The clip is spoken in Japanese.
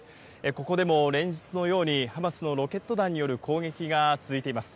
ここでも連日のようにハマスのロケット弾による攻撃が続いています。